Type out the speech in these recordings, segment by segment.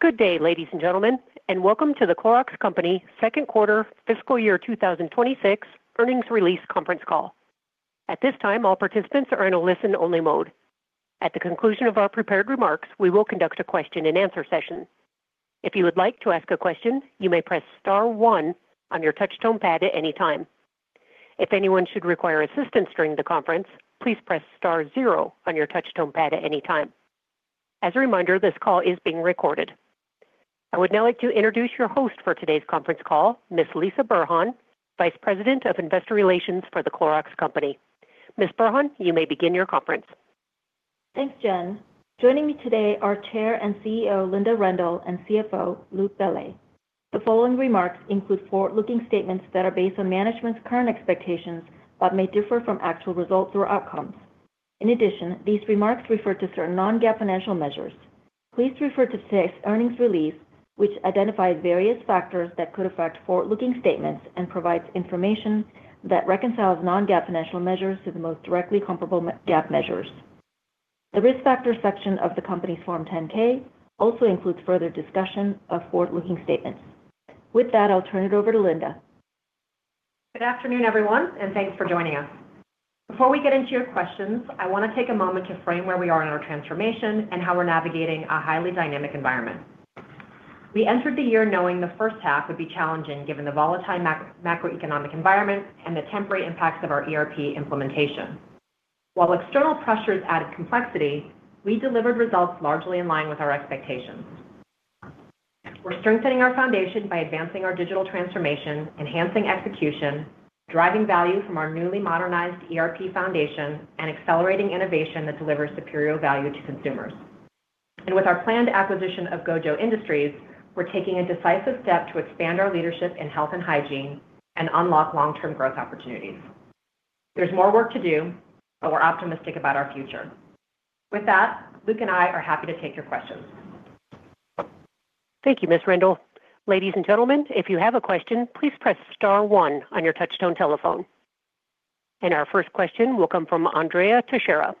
Good day, ladies and gentlemen, and welcome to The Clorox Company second quarter fiscal year 2026 earnings release conference call. At this time, all participants are in a listen-only mode. At the conclusion of our prepared remarks, we will conduct a question-and-answer session. If you would like to ask a question, you may press star one on your touchtone keypad at any time. If anyone should require assistance during the conference, please press star zero on your touchtone keypad at any time. As a reminder, this call is being recorded. I would now like to introduce your host for today's conference call, Ms. Lisah Burhan, Vice President of Investor Relations for The Clorox Company. Ms. Burhan, you may begin your conference. Thanks, Jen. Joining me today are Chair and CEO, Linda Rendle, and CFO, Luc Bellet. The following remarks include forward-looking statements that are based on management's current expectations, but may differ from actual results or outcomes. In addition, these remarks refer to certain non-GAAP financial measures. Please refer to today's earnings release, which identifies various factors that could affect forward-looking statements and provides information that reconciles non-GAAP financial measures to the most directly comparable GAAP measures. The Risk Factors section of the company's Form 10-K also includes further discussion of forward-looking statements. With that, I'll turn it over to Linda. Good afternoon, everyone, and thanks for joining us. Before we get into your questions, I want to take a moment to frame where we are in our transformation and how we're navigating a highly dynamic environment. We entered the year knowing the first half would be challenging, given the volatile macroeconomic environment and the temporary impacts of our ERP implementation. While external pressures added complexity, we delivered results largely in line with our expectations. We're strengthening our foundation by advancing our digital transformation, enhancing execution, driving value from our newly modernized ERP foundation, and accelerating innovation that delivers superior value to consumers. And with our planned acquisition of GOJO Industries, we're taking a decisive step to expand our leadership in health and hygiene and unlock long-term growth opportunities. There's more work to do, but we're optimistic about our future. With that, Luc and I are happy to take your questions. Thank you, Ms. Rendle. Ladies and gentlemen, if you have a question, please press star one on your touchtone telephone. Our first question will come from Andrea Teixeira.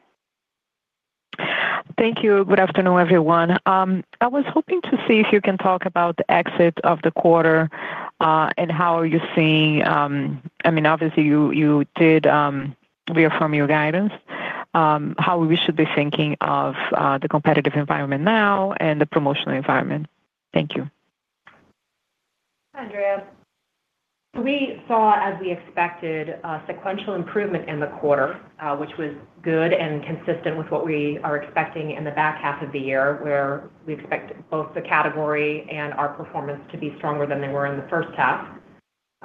Thank you. Good afternoon, everyone. I was hoping to see if you can talk about the exit of the quarter, and how are you seeing... I mean, obviously, you, you did, reaffirm your guidance, how we should be thinking of, the competitive environment now and the promotional environment. Thank you. Andrea, we saw, as we expected, a sequential improvement in the quarter, which was good and consistent with what we are expecting in the back half of the year, where we expect both the category and our performance to be stronger than they were in the first half.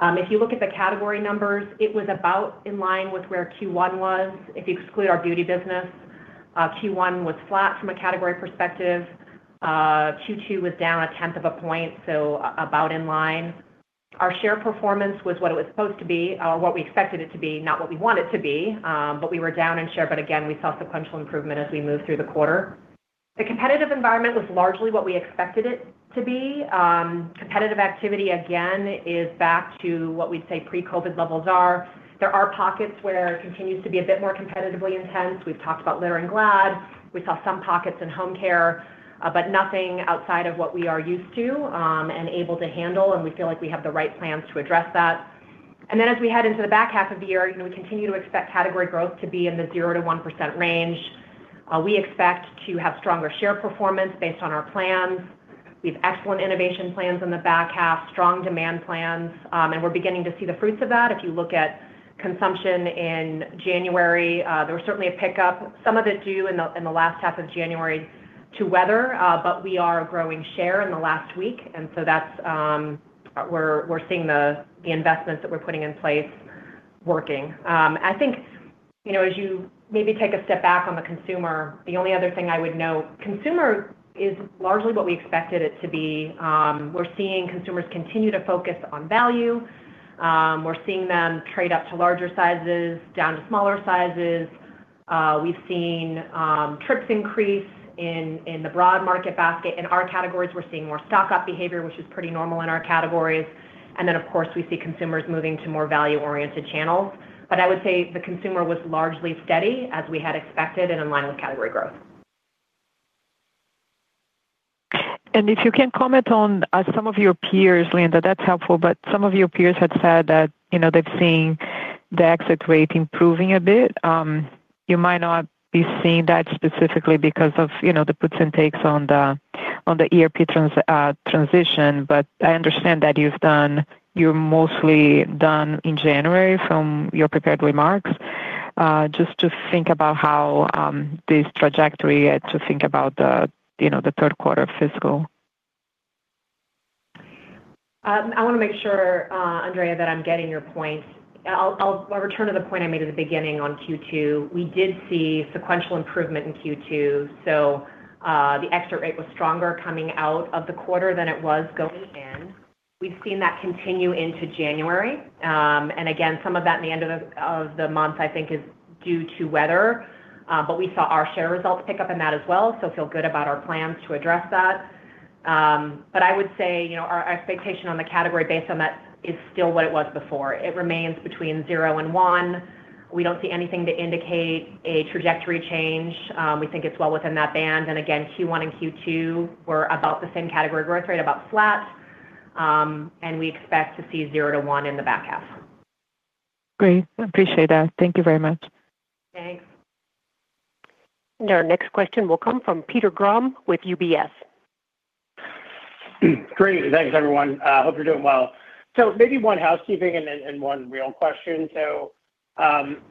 If you look at the category numbers, it was about in line with where Q1 was. If you exclude our beauty business, Q1 was flat from a category perspective. Q2 was down a tenth of a point, so about in line. Our share performance was what it was supposed to be, what we expected it to be, not what we want it to be, but we were down in share. But again, we saw sequential improvement as we moved through the quarter. The competitive environment was largely what we expected it to be. Competitive activity, again, is back to what we'd say pre-COVID levels are. There are pockets where it continues to be a bit more competitively intense. We've talked about litter and Glad. We saw some pockets in home care, but nothing outside of what we are used to, and able to handle, and we feel like we have the right plans to address that. And then as we head into the back half of the year, we continue to expect category growth to be in the 0%-1% range. We expect to have stronger share performance based on our plans. We have excellent innovation plans in the back half, strong demand plans, and we're beginning to see the fruits of that. If you look at consumption in January, there was certainly a pickup, some of it due in the last half of January to weather, but we are growing share in the last week, and so that's, we're seeing the investments that we're putting in place working. I think, you know, as you maybe take a step back on the consumer, the only other thing I would note, consumer is largely what we expected it to be. We're seeing consumers continue to focus on value. We're seeing them trade up to larger sizes, down to smaller sizes. We've seen trips increase in the broad market basket. In our categories, we're seeing more stock up behavior, which is pretty normal in our categories. And then, of course, we see consumers moving to more value-oriented channels. But I would say the consumer was largely steady as we had expected and in line with category growth. And if you can comment on some of your peers, Linda, that's helpful, but some of your peers had said that, you know, they've seen the exit rate improving a bit. You might not be seeing that specifically because of, you know, the puts and takes on the ERP transition, but I understand that you're mostly done in January from your prepared remarks. Just to think about how this trajectory to think about the, you know, the third quarter of fiscal. I want to make sure, Andrea, that I'm getting your point. I'll return to the point I made at the beginning on Q2. We did see sequential improvement in Q2, so the exit rate was stronger coming out of the quarter than it was going in. We've seen that continue into January. And again, some of that in the end of the month, I think, is due to weather, but we saw our share results pick up in that as well, so feel good about our plans to address that. But I would say, you know, our expectation on the category based on that is still what it was before. It remains between 0 and 1.... We don't see anything to indicate a trajectory change. We think it's well within that band, and again, Q1 and Q2 were about the same category growth rate, about flat. And we expect to see 0-1 in the back half. Great. I appreciate that. Thank you very much. Thanks. Our next question will come from Peter Grom with UBS. Great. Thanks, everyone. Hope you're doing well. So maybe one housekeeping and then one real question. So,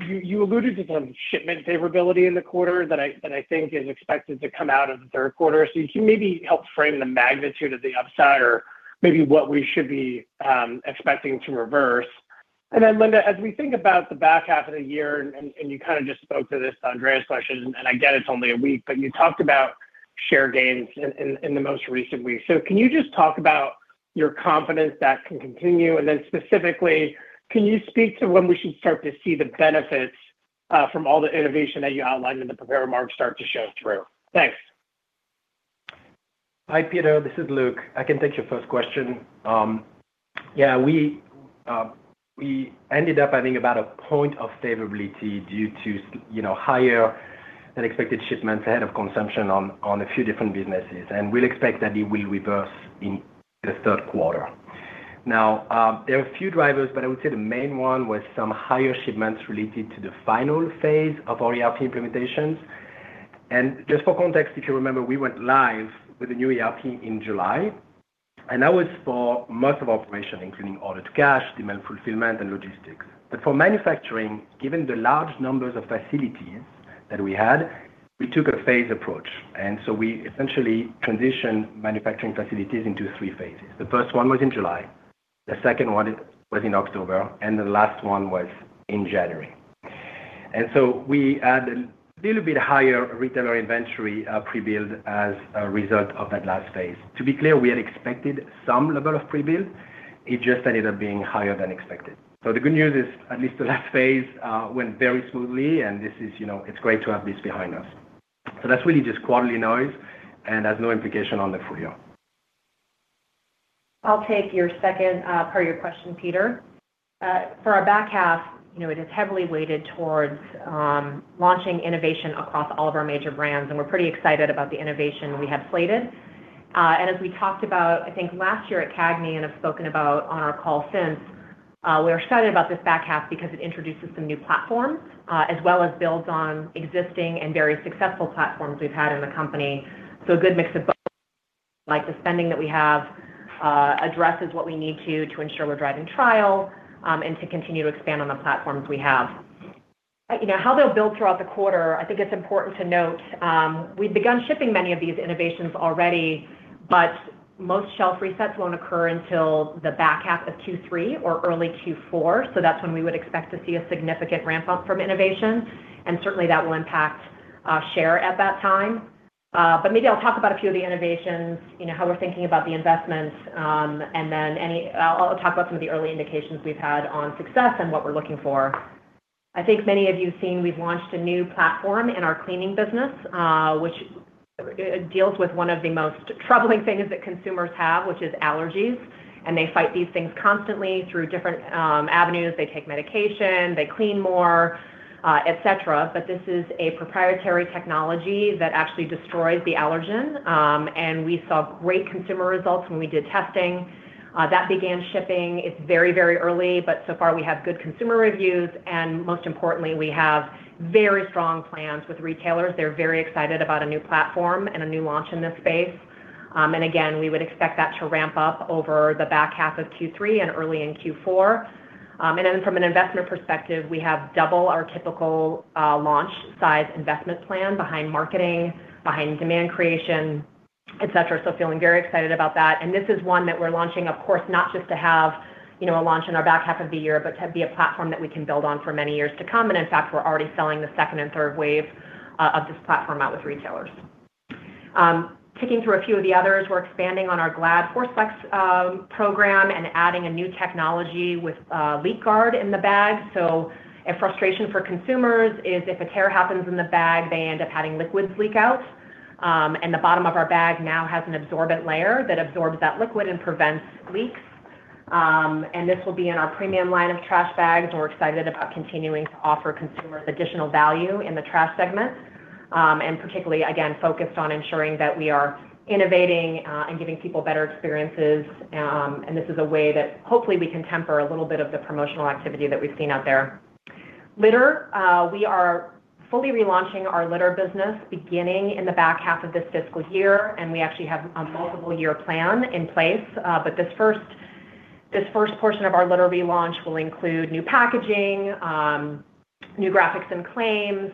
you alluded to some shipment favorability in the quarter that I think is expected to come out of the third quarter. So can you maybe help frame the magnitude of the upside or maybe what we should be expecting to reverse? And then, Linda, as we think about the back half of the year, and you kind of just spoke to this on Andrea's question, and I get it's only a week, but you talked about share gains in the most recent week. So can you just talk about your confidence that can continue? Specifically, can you speak to when we should start to see the benefits from all the innovation that you outlined in the prepared remarks start to show through? Thanks. Hi, Peter. This is Luc. I can take your first question. Yeah, we, we ended up, I think, about a point of favorability due to, you know, higher than expected shipments ahead of consumption on, on a few different businesses, and we'll expect that it will reverse in the third quarter. Now, there are a few drivers, but I would say the main one was some higher shipments related to the final phase of our ERP implementations. And just for context, if you remember, we went live with the new ERP in July, and that was for most of our operation, including order to cash, demand fulfillment, and logistics. But for manufacturing, given the large numbers of facilities that we had, we took a phased approach, and so we essentially transitioned manufacturing facilities into three phases. The first one was in July, the second one was in October, and the last one was in January. So we had a little bit higher retailer inventory prebuild as a result of that last phase. To be clear, we had expected some level of prebuild. It just ended up being higher than expected. So the good news is, at least the last phase, went very smoothly, and this is, you know, it's great to have this behind us. So that's really just quarterly noise and has no implication on the full year. I'll take your second part of your question, Peter. For our back half, you know, it is heavily weighted towards launching innovation across all of our major brands, and we're pretty excited about the innovation we have slated. And as we talked about, I think, last year at CAGNY and have spoken about on our call since, we are excited about this back half because it introduces some new platforms as well as builds on existing and very successful platforms we've had in the company. So a good mix of both, like the spending that we have addresses what we need to ensure we're driving trial and to continue to expand on the platforms we have. You know, how they'll build throughout the quarter, I think it's important to note, we've begun shipping many of these innovations already, but most shelf resets won't occur until the back half of Q3 or early Q4. So that's when we would expect to see a significant ramp-up from innovation, and certainly, that will impact share at that time. But maybe I'll talk about a few of the innovations, you know, how we're thinking about the investments, and then I'll talk about some of the early indications we've had on success and what we're looking for. I think many of you have seen, we've launched a new platform in our cleaning business, which deals with one of the most troubling things that consumers have, which is allergies. And they fight these things constantly through different avenues. They take medication, they clean more, et cetera. But this is a proprietary technology that actually destroys the allergen, and we saw great consumer results when we did testing. That began shipping. It's very, very early, but so far, we have good consumer reviews, and most importantly, we have very strong plans with retailers. They're very excited about a new platform and a new launch in this space. And again, we would expect that to ramp up over the back half of Q3 and early in Q4. And then from an investment perspective, we have double our typical launch size investment plan behind marketing, behind demand creation, et cetera. So feeling very excited about that. This is one that we're launching, of course, not just to have, you know, a launch in our back half of the year, but to be a platform that we can build on for many years to come. And in fact, we're already selling the second and third wave of this platform out with retailers. Ticking through a few of the others, we're expanding on our Glad ForceFlex program and adding a new technology with LeakGuard in the bag. So a frustration for consumers is if a tear happens in the bag, they end up having liquids leak out, and the bottom of our bag now has an absorbent layer that absorbs that liquid and prevents leaks. And this will be in our premium line of trash bags. We're excited about continuing to offer consumers additional value in the trash segment, and particularly, again, focused on ensuring that we are innovating, and giving people better experiences. This is a way that hopefully we can temper a little bit of the promotional activity that we've seen out there. Litter, we are fully relaunching our litter business beginning in the back half of this fiscal year, and we actually have a multiple year plan in place. But this first, this first portion of our litter relaunch will include new packaging, new graphics and claims,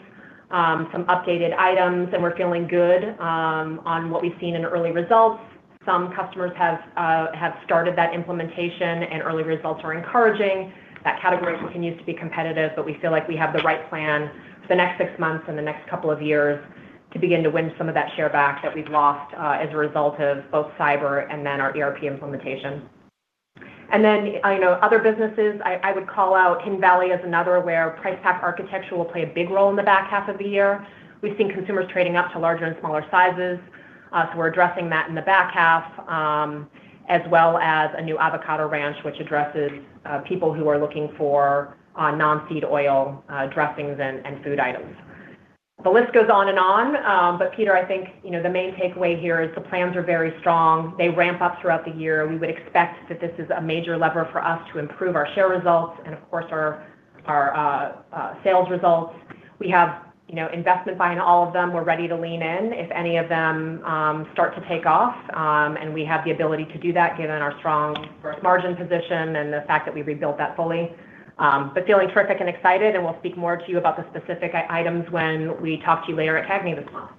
some updated items, and we're feeling good, on what we've seen in early results. Some customers have, have started that implementation, and early results are encouraging. That category continues to be competitive, but we feel like we have the right plan for the next six months and the next couple of years to begin to win some of that share back that we've lost, as a result of both cyber and then our ERP implementation. And then, you know, other businesses, I would call out Hidden Valley as another where price-pack architecture will play a big role in the back half of the year. We've seen consumers trading up to larger and smaller sizes, so we're addressing that in the back half, as well as a new Avocado Ranch, which addresses people who are looking for non-seed oil dressings and food items. The list goes on and on. But Peter, I think, you know, the main takeaway here is the plans are very strong. They ramp up throughout the year. We would expect that this is a major lever for us to improve our share results and, of course, our sales results. We have, you know, investment buying all of them. We're ready to lean in if any of them start to take off, and we have the ability to do that given our strong gross margin position and the fact that we rebuilt that fully. But feeling terrific and excited, and we'll speak more to you about the specific items when we talk to you later at CAGNY this month.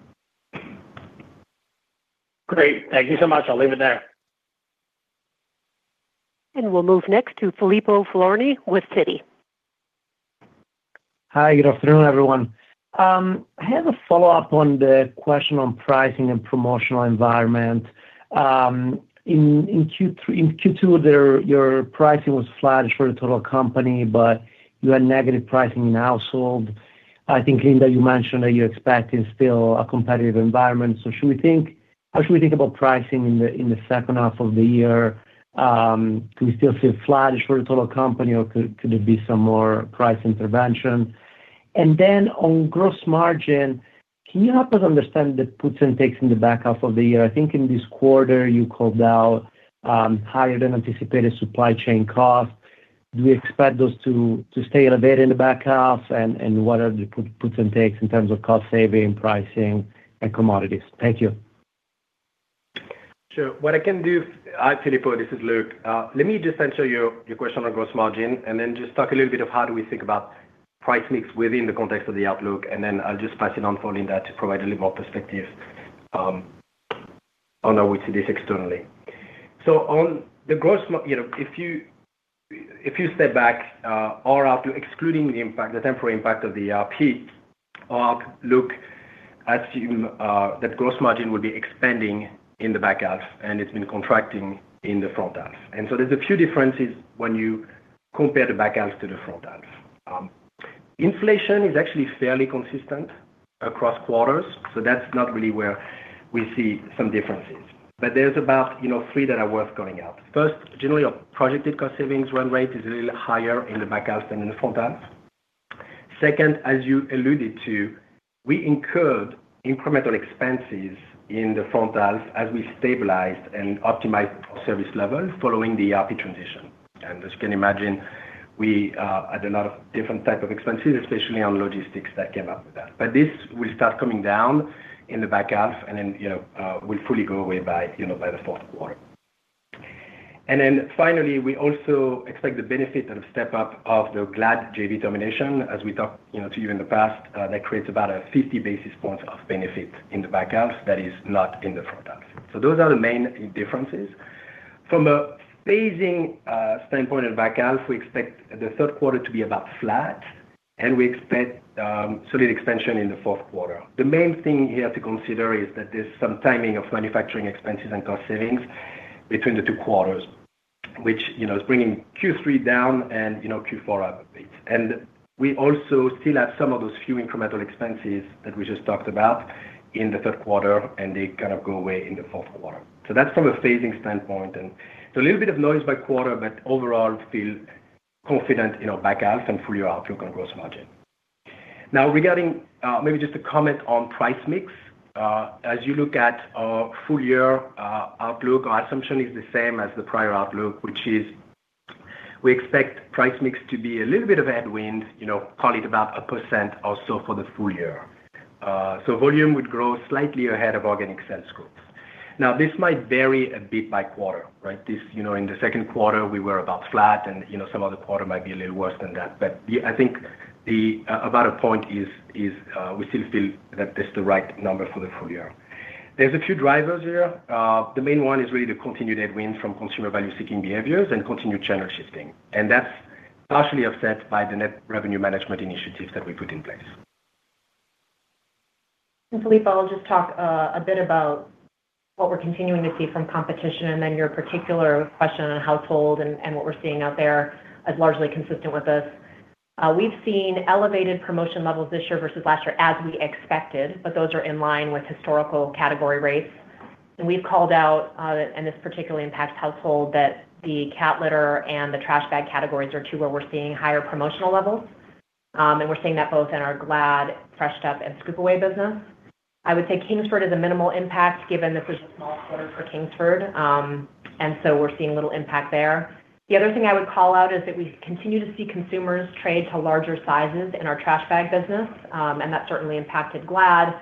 Great. Thank you so much. I'll leave it there. We'll move next to Filippo Falorni with Citi. Hi, good afternoon, everyone. I have a follow-up on the question on pricing and promotional environment. In Q2, your pricing was flat for the total company, but you had negative pricing in household. I think, Linda, you mentioned that you're expecting still a competitive environment. So should we think—how should we think about pricing in the second half of the year? Can we still see it flat for the total company, or could there be some more price intervention? And then on gross margin, can you help us understand the puts and takes in the back half of the year? I think in this quarter, you called out higher than anticipated supply chain costs. Do you expect those to stay elevated in the back half? What are the puts and takes in terms of cost saving, pricing, and commodities? Thank you. Sure. Hi, Filippo, this is Luc. Let me just answer your question on gross margin, and then just talk a little bit of how do we think about price mix within the context of the outlook, and then I'll just pass it on for Linda to provide a little more perspective on our way to this externally. So on the gross margin. You know, if you step back, or after excluding the impact, the temporary impact of the ERP, Our, look, I assume that gross margin will be expanding in the back half, and it's been contracting in the front half. And so there's a few differences when you compare the back half to the front half. Inflation is actually fairly consistent across quarters, so that's not really where we see some differences. But there's about, you know, 3 that are worth calling out. First, generally, our projected cost savings run rate is a little higher in the back half than in the front half. Second, as you alluded to, we incurred incremental expenses in the front half as we stabilized and optimized service levels following the ERP transition. And as you can imagine, we had a lot of different type of expenses, especially on logistics, that came up with that. But this will start coming down in the back half and then, you know, will fully go away by, you know, by the fourth quarter. And then finally, we also expect the benefit of step-up of the Glad JV termination. As we talked, you know, to you in the past, that creates about 50 basis points of benefit in the back half, that is not in the front half. So those are the main differences. From a phasing standpoint in the back half, we expect the third quarter to be about flat, and we expect solid expansion in the fourth quarter. The main thing here to consider is that there's some timing of manufacturing expenses and cost savings between the two quarters, which, you know, is bringing Q3 down and, you know, Q4 up a bit. And we also still have some of those few incremental expenses that we just talked about in the third quarter, and they kind of go away in the fourth quarter. That's from a phasing standpoint, and so a little bit of noise by quarter, but overall, feel confident in our back half and full-year outlook on gross margin. Now, regarding... Maybe just a comment on price mix. As you look at our full year outlook, our assumption is the same as the prior outlook, which is we expect price mix to be a little bit of a headwind, you know, call it about 1% or so for the full year. So volume would grow slightly ahead of organic sales growth. Now, this might vary a bit by quarter, right? This, you know, in the second quarter, we were about flat, and, you know, some other quarter might be a little worse than that. But I think the point is, we still feel that that's the right number for the full year. There's a few drivers here. The main one is really the continued headwinds from consumer value-seeking behaviors and continued channel shifting, and that's partially offset by the net revenue management initiatives that we put in place. Filippo, I'll just talk a bit about what we're continuing to see from competition and then your particular question on household and what we're seeing out there as largely consistent with this. We've seen elevated promotion levels this year versus last year, as we expected, but those are in line with historical category rates. We've called out and this particularly impacts household that the cat litter and the trash bag categories are two where we're seeing higher promotional levels. We're seeing that both in our Glad, Fresh Step, and Scoop Away business. I would say Kingsford is a minimal impact given that there's a small quarter for Kingsford. So we're seeing little impact there. The other thing I would call out is that we continue to see consumers trade to larger sizes in our trash bag business, and that certainly impacted Glad,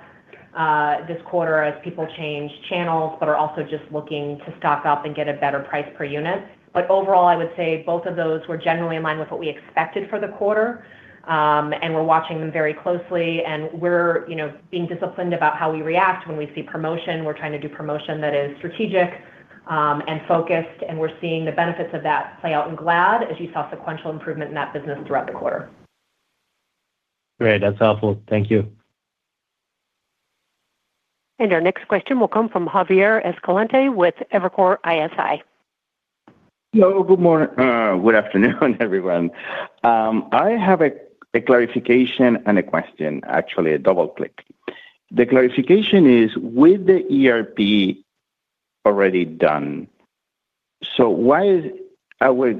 this quarter as people change channels, but are also just looking to stock up and get a better price per unit. But overall, I would say both of those were generally in line with what we expected for the quarter. And we're watching them very closely, and we're, you know, being disciplined about how we react when we see promotion. We're trying to do promotion that is strategic, and focused, and we're seeing the benefits of that play out in Glad, as you saw sequential improvement in that business throughout the quarter. Great. That's helpful. Thank you. Our next question will come from Javier Escalante with Evercore ISI. Hello, good morning. Good afternoon, everyone. I have a clarification and a question, actually a double click. The clarification is, with the ERP already done, so why are we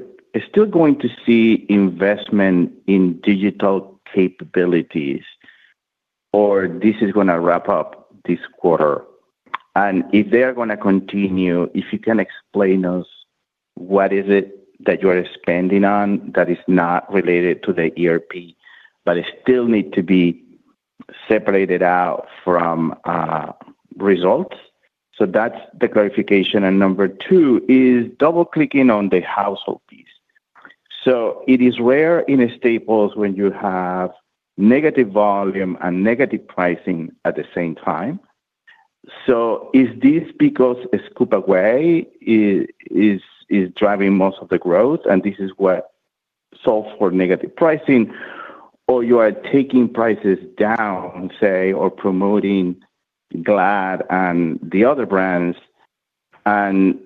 still going to see investment in digital capabilities, or this is going to wrap up this quarter? And if they are going to continue, if you can explain us what is it that you are spending on that is not related to the ERP, but it still need to be separated out from results. So that's the clarification. And number two is double-clicking on the household piece. So it is rare in staples when you have negative volume and negative pricing at the same time. So is this because Scoop Away is driving most of the growth, and this is what solve for negative pricing? Or you are taking prices down, say, or promoting Glad and the other brands, and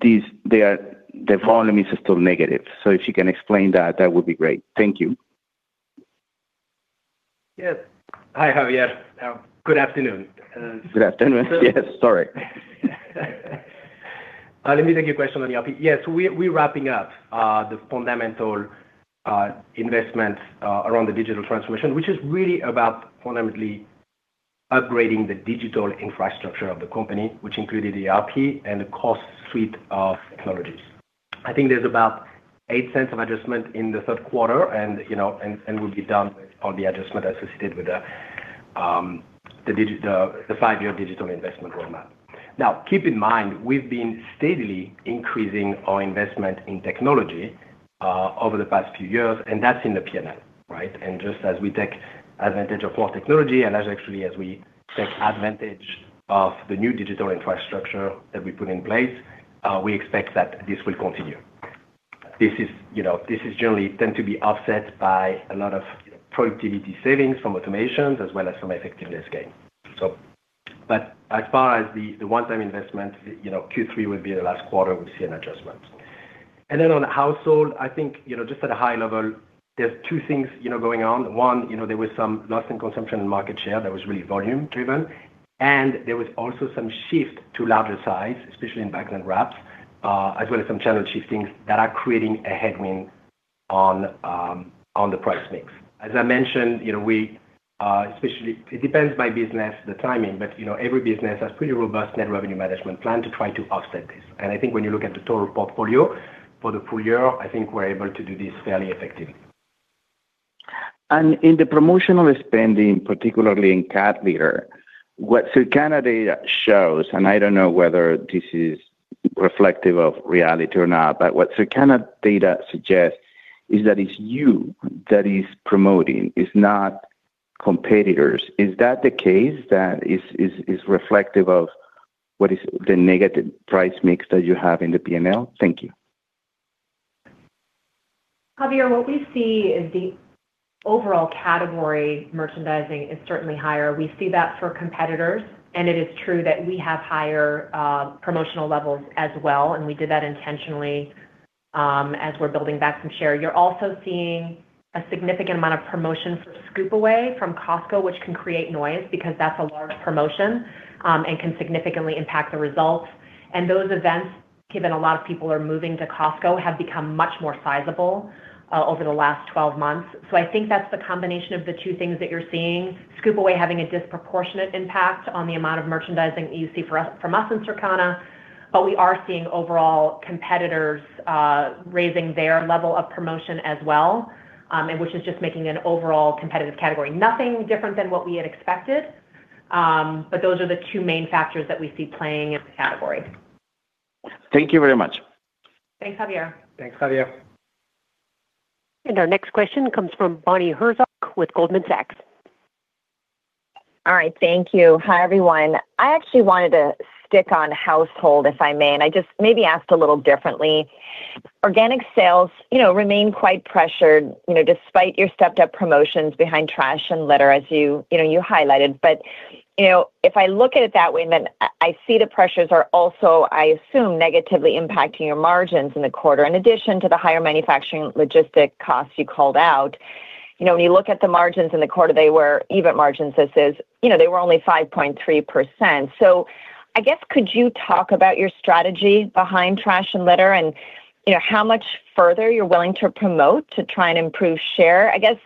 these, they are, the volume is still negative. So if you can explain that, that would be great. Thank you. Yes. Hi, Javier. Good afternoon, Good afternoon. Yes, sorry. Let me take your question on the ERP. Yes, we're wrapping up the fundamental investment around the digital transformation, which is really about fundamentally upgrading the digital infrastructure of the company, which included the ERP and the core suite of technologies. I think there's about $0.08 of adjustment in the third quarter and we'll be done on the adjustment associated with the five-year digital investment roadmap. Now, keep in mind, we've been steadily increasing our investment in technology over the past few years, and that's in the P&L, right? And just as we take advantage of more technology and actually as we take advantage of the new digital infrastructure that we put in place, we expect that this will continue. This is, you know, this is generally tend to be offset by a lot of productivity savings from automations as well as some effectiveness gain. So, but as far as the one-time investment, you know, Q3 will be the last quarter we see an adjustment. And then on household, I think, you know, just at a high level, there's two things, you know, going on. One, you know, there was some loss in consumption and market share that was really volume driven, and there was also some shift to larger size, especially in bags and wraps, as well as some channel shiftings that are creating a headwind on the price mix. As I mentioned, you know, we, especially. It depends by business, the timing, but, you know, every business has pretty robust net revenue management plan to try to offset this. I think when you look at the total portfolio for the full year, I think we're able to do this fairly effectively. In the promotional spending, particularly in cat litter, what Circana data shows, and I don't know whether this is reflective of reality or not, but what Circana data suggests is that it's you that is promoting, it's not competitors. Is that the case that is reflective of what is the negative price mix that you have in the P&L? Thank you. Javier, what we see is the overall category merchandising is certainly higher. We see that for competitors, and it is true that we have higher promotional levels as well, and we did that intentionally as we're building back some share. You're also seeing a significant amount of promotion for Scoop Away from Costco, which can create noise because that's a large promotion and can significantly impact the results. And those events, given a lot of people are moving to Costco, have become much more sizable over the last 12 months. So I think that's the combination of the two things that you're seeing, Scoop Away having a disproportionate impact on the amount of merchandising that you see for us, from us in Circana. But we are seeing overall competitors raising their level of promotion as well, and which is just making an overall competitive category. Nothing different than what we had expected, but those are the two main factors that we see playing in the category. Thank you very much. Thanks, Javier. Thanks, Javier. Our next question comes from Bonnie Herzog with Goldman Sachs. All right, thank you. Hi, everyone. I actually wanted to stick on household, if I may, and I just maybe ask a little differently. Organic sales, you know, remain quite pressured, you know, despite your stepped-up promotions behind trash and litter, as you, you know, you highlighted. But, you know, if I look at it that way, then I, I see the pressures are also, I assume, negatively impacting your margins in the quarter, in addition to the higher manufacturing logistic costs you called out. You know, when you look at the margins in the quarter, they were EBIT margins, this is, you know, they were only 5.3%. So I guess, could you talk about your strategy behind trash and litter and, you know, how much further you're willing to promote to try and improve share? I guess,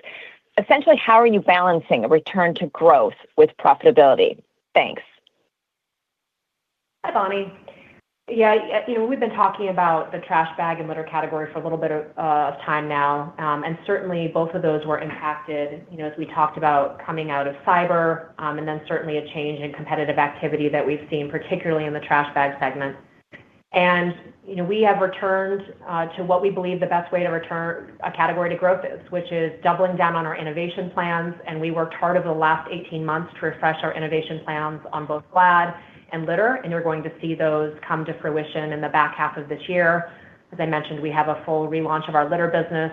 essentially, how are you balancing a return to growth with profitability? Thanks. Hi, Bonnie. Yeah, you know, we've been talking about the trash bag and litter category for a little bit of time now. And certainly both of those were impacted, you know, as we talked about coming out of cyber, and then certainly a change in competitive activity that we've seen, particularly in the trash bag segment. And, you know, we have returned to what we believe the best way to return a category to growth is, which is doubling down on our innovation plans, and we worked hard over the last 18 months to refresh our innovation plans on both Glad and litter, and you're going to see those come to fruition in the back half of this year. As I mentioned, we have a full relaunch of our litter business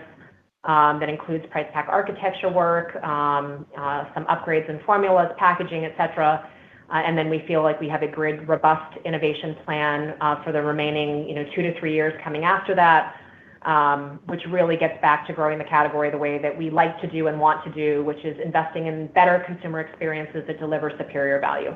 that includes price pack architecture work, some upgrades in formulas, packaging, et cetera. And then we feel like we have a great, robust innovation plan for the remaining, you know, two to three years coming after that, which really gets back to growing the category the way that we like to do and want to do, which is investing in better consumer experiences that deliver superior value.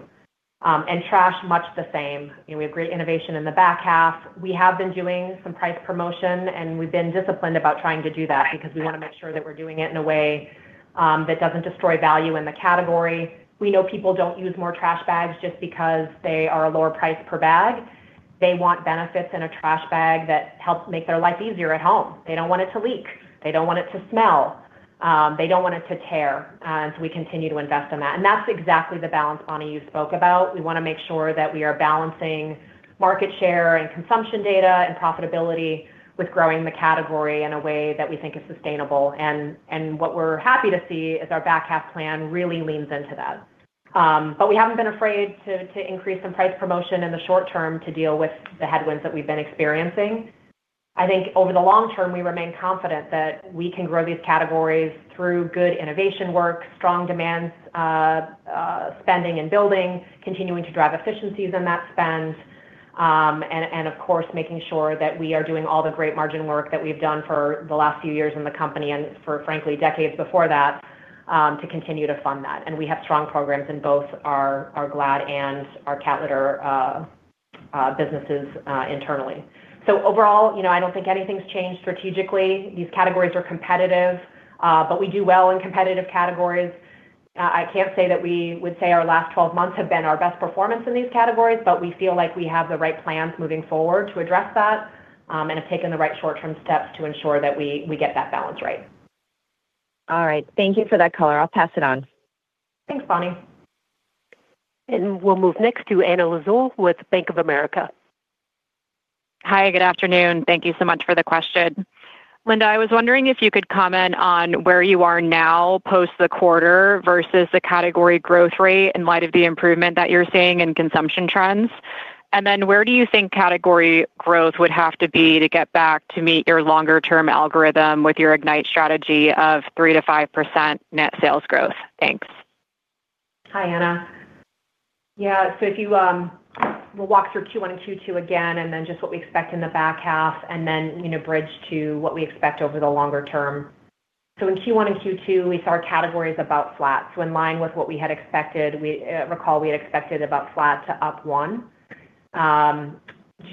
And trash, much the same. You know, we have great innovation in the back half. We have been doing some price promotion, and we've been disciplined about trying to do that because we wanna make sure that we're doing it in a way that doesn't destroy value in the category. We know people don't use more trash bags just because they are a lower price per bag. They want benefits in a trash bag that helps make their life easier at home. They don't want it to leak. They don't want it to smell. They don't want it to tear. So we continue to invest in that. And that's exactly the balance, Bonnie, you spoke about. We wanna make sure that we are balancing market share and consumption data and profitability with growing the category in a way that we think is sustainable. And what we're happy to see is our back half plan really leans into that. But we haven't been afraid to increase some price promotion in the short term to deal with the headwinds that we've been experiencing. I think over the long term, we remain confident that we can grow these categories through good innovation work, strong demands, spending and building, continuing to drive efficiencies in that spend, and, of course, making sure that we are doing all the great margin work that we've done for the last few years in the company, and for frankly, decades before that, to continue to fund that. And we have strong programs in both our Glad and our Cat Litter businesses, internally. So overall, you know, I don't think anything's changed strategically. These categories are competitive, but we do well in competitive categories. I can't say that we would say our last 12 months have been our best performance in these categories, but we feel like we have the right plans moving forward to address that, and have taken the right short-term steps to ensure that we get that balance right. All right. Thank you for that color. I'll pass it on. Thanks, Bonnie. We'll move next to Anna Lizzul with Bank of America. Hi, good afternoon. Thank you so much for the question. Linda, I was wondering if you could comment on where you are now, post the quarter, versus the category growth rate in light of the improvement that you're seeing in consumption trends. And then, where do you think category growth would have to be to get back to meet your longer term algorithm with your Ignite strategy of 3%-5% net sales growth? Thanks. Hi, Anna. Yeah, so if you, we'll walk through Q1 and Q2 again, and then just what we expect in the back half, and then, you know, bridge to what we expect over the longer term. So in Q1 and Q2, we saw our categories about flat. So in line with what we had expected, we, recall, we had expected about flat to up 1.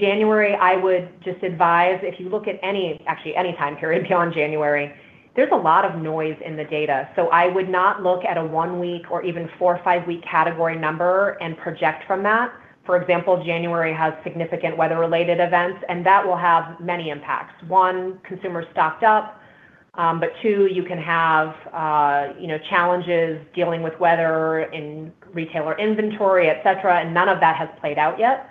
January, I would just advise, if you look at any, actually any time period beyond January, there's a lot of noise in the data. So I would not look at a 1-week or even 4- or 5-week category number and project from that. For example, January has significant weather-related events, and that will have many impacts. One, consumers stocked up, but two, you know, challenges dealing with weather in retailer inventory, et cetera, and none of that has played out yet.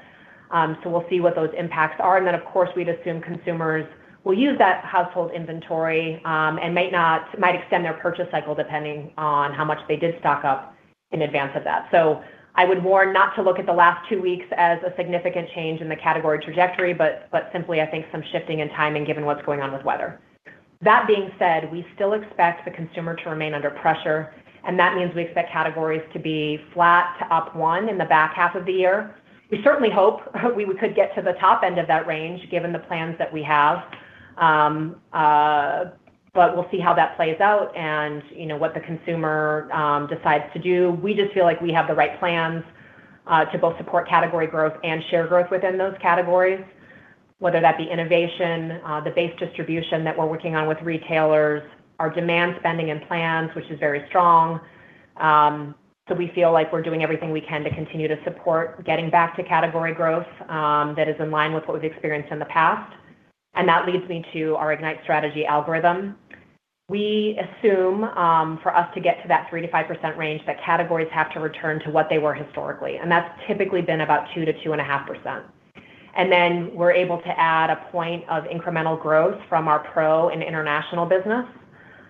So we'll see what those impacts are. And then, of course, we'd assume consumers will use that household inventory, and might extend their purchase cycle depending on how much they did stock up in advance of that. So I would warn not to look at the last two weeks as a significant change in the category trajectory, but simply, I think, some shifting in timing, given what's going on with weather. That being said, we still expect the consumer to remain under pressure, and that means we expect categories to be flat to up one in the back half of the year. We certainly hope we could get to the top end of that range, given the plans that we have. But we'll see how that plays out and, you know, what the consumer decides to do. We just feel like we have the right plans to both support category growth and share growth within those categories, whether that be innovation, the base distribution that we're working on with retailers, our demand spending and plans, which is very strong. So we feel like we're doing everything we can to continue to support getting back to category growth that is in line with what we've experienced in the past. And that leads me to our Ignite strategy algorithm. We assume, for us to get to that 3%-5% range, that categories have to return to what they were historically, and that's typically been about 2%-2.5%. And then we're able to add a point of incremental growth from our pro and International business,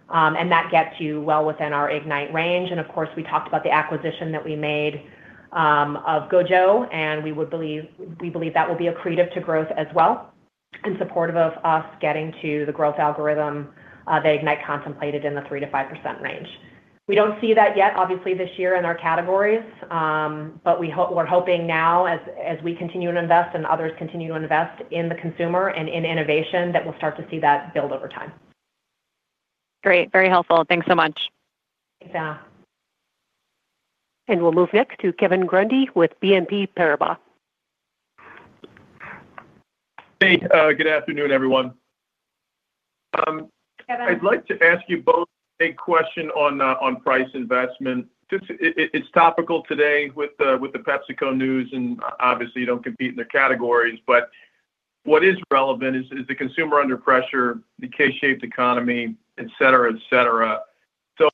and that gets you well within our Ignite range. And of course, we talked about the acquisition that we made, of GOJO, and we would believe- we believe that will be accretive to growth as well, and supportive of us getting to the growth algorithm, that Ignite contemplated in the 3%-5% range. We don't see that yet, obviously, this year in our categories, but we're hoping now, as we continue to invest and others continue to invest in the consumer and in innovation, that we'll start to see that build over time. Great. Very helpful. Thanks so much. Thanks, Anna. We'll move next to Kevin Grundy with BNP Paribas. Hey, good afternoon, everyone. Kevin- I'd like to ask you both a question on price investment. Just, it's topical today with the PepsiCo news, and obviously, you don't compete in the categories, but what is relevant is the consumer under pressure, the K-shaped economy, et cetera, et cetera. So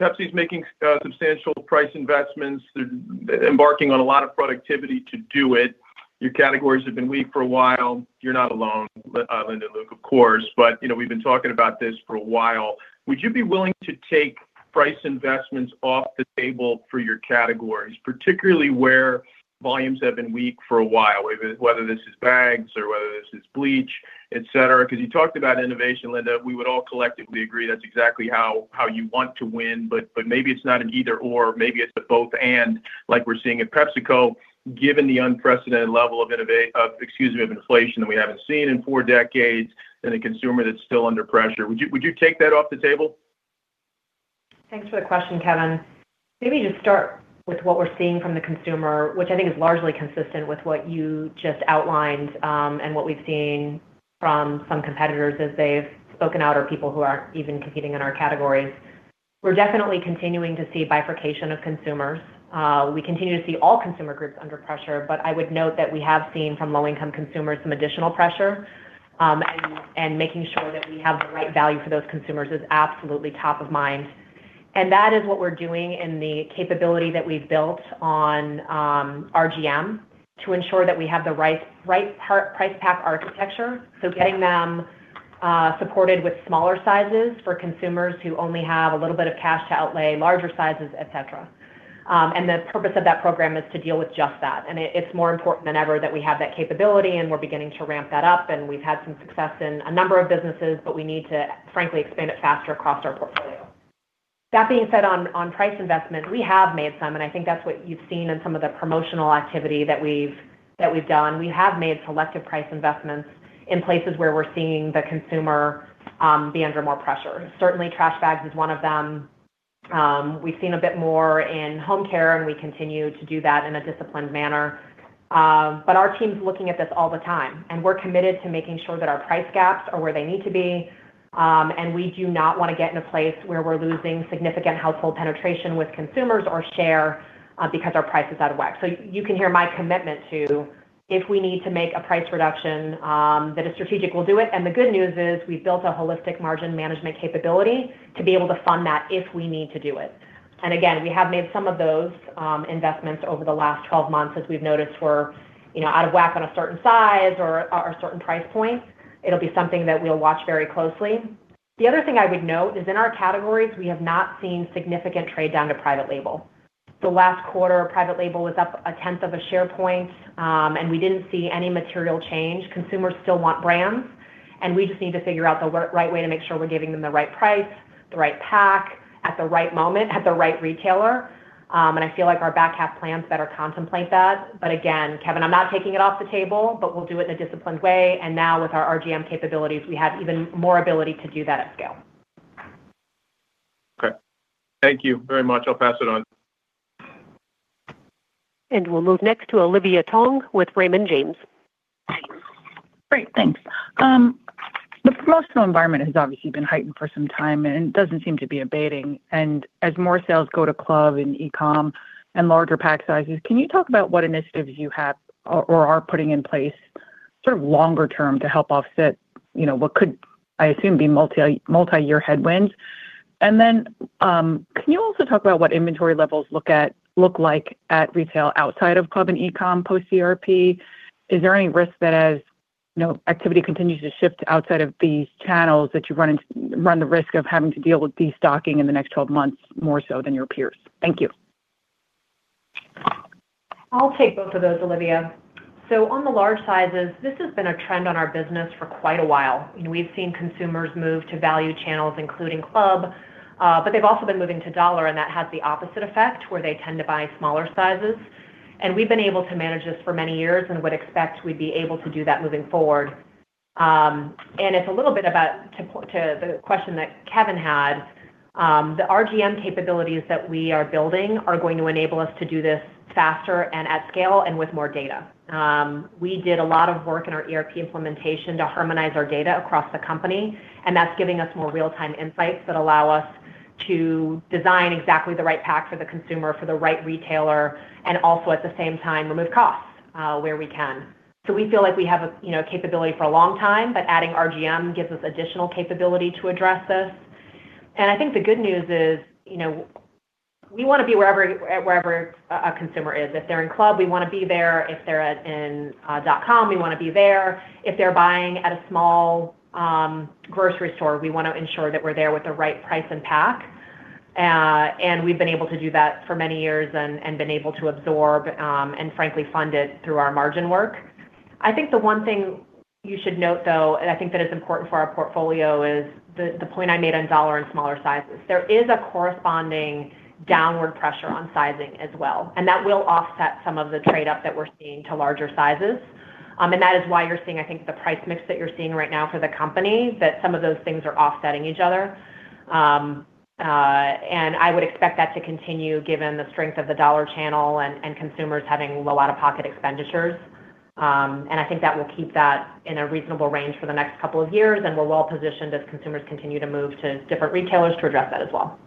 Pepsi is making substantial price investments. They're embarking on a lot of productivity to do it. Your categories have been weak for a while. You're not alone, Linda and Luke, of course, but, you know, we've been talking about this for a while. Would you be willing to take price investments off the table for your categories, particularly where volumes have been weak for a while? Whether this is bags or whether this is bleach, et cetera, because you talked about innovation, Linda. We would all collectively agree that's exactly how you want to win, but maybe it's not an either/or, maybe it's a both/and, like we're seeing at PepsiCo, given the unprecedented level of inflation that we haven't seen in four decades and a consumer that's still under pressure. Would you take that off the table?... Thanks for the question, Kevin. Maybe just start with what we're seeing from the consumer, which I think is largely consistent with what you just outlined, and what we've seen from some competitors as they've spoken out, or people who aren't even competing in our categories. We're definitely continuing to see bifurcation of consumers. We continue to see all consumer groups under pressure, but I would note that we have seen from low-income consumers some additional pressure, and making sure that we have the right value for those consumers is absolutely top of mind. And that is what we're doing, and the capability that we've built on, RGM to ensure that we have the right, right part, price, pack, architecture. So getting them supported with smaller sizes for consumers who only have a little bit of cash to outlay, larger sizes, et cetera. And the purpose of that program is to deal with just that, and it's more important than ever that we have that capability, and we're beginning to ramp that up, and we've had some success in a number of businesses, but we need to, frankly, expand it faster across our portfolio. That being said, on price investment, we have made some, and I think that's what you've seen in some of the promotional activity that we've done. We have made selective price investments in places where we're seeing the consumer be under more pressure. Certainly, trash bags is one of them. We've seen a bit more in home care, and we continue to do that in a disciplined manner. But our team's looking at this all the time, and we're committed to making sure that our price gaps are where they need to be, and we do not wanna get in a place where we're losing significant household penetration with consumers or share, because our price is out of whack. So you can hear my commitment to if we need to make a price reduction, that is strategic, we'll do it. And the good news is, we've built a holistic margin management capability to be able to fund that if we need to do it. And again, we have made some of those, investments over the last 12 months, as we've noticed we're, you know, out of whack on a certain size or certain price points. It'll be something that we'll watch very closely. The other thing I would note is in our categories, we have not seen significant trade down to private label. The last quarter, private label was up 0.1 of a share point, and we didn't see any material change. Consumers still want brands, and we just need to figure out the right way to make sure we're giving them the right price, the right pack, at the right moment, at the right retailer. And I feel like our back half plans better contemplate that. But again, Kevin, I'm not taking it off the table, but we'll do it in a disciplined way, and now with our RGM capabilities, we have even more ability to do that at scale. Okay. Thank you very much. I'll pass it on. And we'll move next to Olivia Tong with Raymond James. Great, thanks. The promotional environment has obviously been heightened for some time and doesn't seem to be abating. And as more sales go to club and e-com and larger pack sizes, can you talk about what initiatives you have or are putting in place, sort of longer term, to help offset, you know, what could, I assume, be multi-year headwinds? And then, can you also talk about what inventory levels look like at retail outside of club and e-com post-ERP? Is there any risk that as, you know, activity continues to shift outside of these channels, that you run the risk of having to deal with destocking in the next 12 months more so than your peers? Thank you. I'll take both of those, Olivia. So on the large sizes, this has been a trend on our business for quite a while, and we've seen consumers move to value channels, including club, but they've also been moving to dollar, and that has the opposite effect, where they tend to buy smaller sizes. And we've been able to manage this for many years and would expect we'd be able to do that moving forward. And it's a little bit about the question that Kevin had, the RGM capabilities that we are building are going to enable us to do this faster and at scale and with more data. We did a lot of work in our ERP implementation to harmonize our data across the company, and that's giving us more real-time insights that allow us to design exactly the right pack for the consumer, for the right retailer, and also, at the same time, remove costs where we can. So we feel like we have a, you know, capability for a long time, but adding RGM gives us additional capability to address this. And I think the good news is, you know, we wanna be wherever a consumer is. If they're in club, we wanna be there. If they're at in dot-com, we wanna be there. If they're buying at a small grocery store, we wanna ensure that we're there with the right price and pack. We've been able to do that for many years and been able to absorb and frankly fund it through our margin work. I think the one thing you should note, though, and I think that it's important for our portfolio, is the point I made on dollar and smaller sizes. There is a corresponding downward pressure on sizing as well, and that will offset some of the trade up that we're seeing to larger sizes. And that is why you're seeing, I think, the price mix that you're seeing right now for the company, that some of those things are offsetting each other. And I would expect that to continue, given the strength of the dollar channel and consumers having a lot of pocket expenditures. I think that will keep that in a reasonable range for the next couple of years, and we're well positioned as consumers continue to move to different retailers to address that as well.